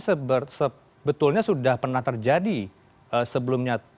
saya sudah paham ya kondisi ini sebetulnya sudah pernah terjadi sebelumnya